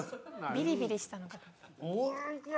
ビリビリしたのかと。